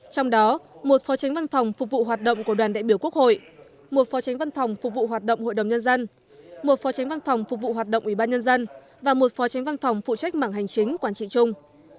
trong đó một phó tránh văn phòng phục vụ hoạt động của đoàn đại biểu quốc hội một phó tránh văn phòng phục vụ hoạt động hội đồng nhân dân một phó tránh văn phòng phục vụ hoạt động ủy ban nhân dân và một phó tránh văn phòng phụ trách mảng hành chính quản trị chung